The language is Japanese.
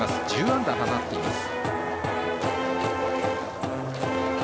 １０安打を放っています。